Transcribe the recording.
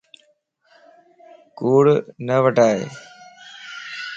ڪوڙ نه وڊائي